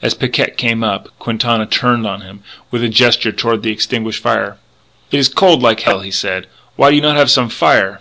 As Picquet came up, Quintana turned on him, with a gesture toward the extinguished fire: "It is cold like hell," he said. "Why do you not have some fire?"